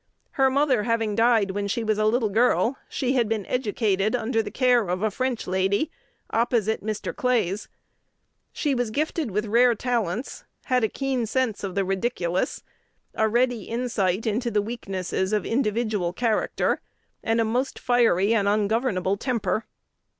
Her mother having died when she was a little girl, she had been educated under the care of a French lady, "opposite Mr. Clay's." She was gifted with rare talents, had a keen sense of the ridiculous, a ready insight into the weaknesses of individual character, and a most fiery and ungovernable temper.